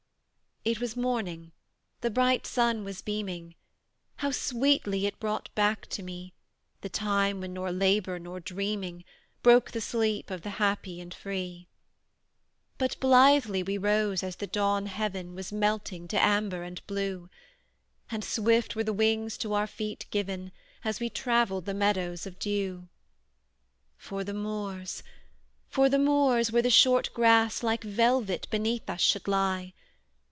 It was morning: the bright sun was beaming; How sweetly it brought back to me The time when nor labour nor dreaming Broke the sleep of the happy and free! But blithely we rose as the dawn heaven Was melting to amber and blue, And swift were the wings to our feet given, As we traversed the meadows of dew. For the moors! For the moors, where the short grass Like velvet beneath us should lie!